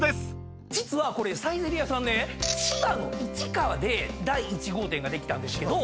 実はこれサイゼリヤさんね千葉の市川で第１号店ができたんですけど。